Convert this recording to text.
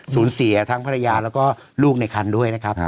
สูญเสียทั้งภรรยาแล้วก็ลูกในคันด้วยนะครับ